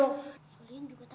tika juga takut dong